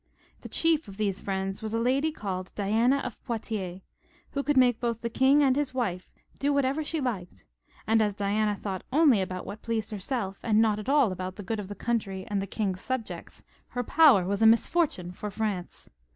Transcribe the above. The chief of these friends was a lady called Diana of Poitiers, who could make both the king and his wife do whatever she liked, and as Diana thought only about what pleased herself, and not at all about the good of the country and the king's subjects, her power was a misfortune for France.